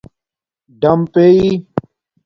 ڈَم پیئ